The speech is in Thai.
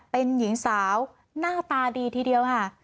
เป็นหญิงสาวหน้าตาดีทีเดียวค่ะ